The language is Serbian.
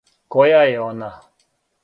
Која је она?